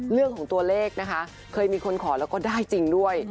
เรื่องของตัวเลขนะคะเคยมีคนขอแล้วก็ได้จริงด้วย